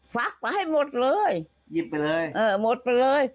วะมาให้หมดเลยอาหมดไปเลย